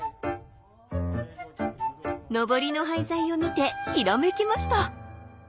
のぼりの廃材を見てひらめきました。